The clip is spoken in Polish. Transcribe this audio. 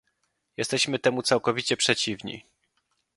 Jesteśmy temu całkowicie przeciwni!